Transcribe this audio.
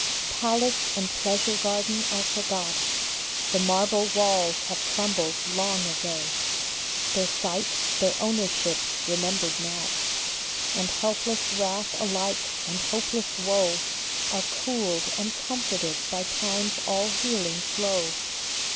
Palace and pleasure garden are forgot ; The marble walls have crumbled long ago ; Their site, their ownership, remembered not, And helpless wrath alike and hopeless woe Are cooled and comforted by Time s all healing flow.